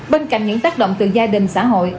bên cạnh những tác động từ gia đình xã hội